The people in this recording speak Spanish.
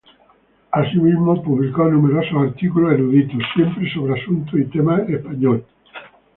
Asimismo publicó numerosos artículos eruditos, siempre sobre asuntos y temas españoles.